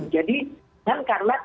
jadi kan karena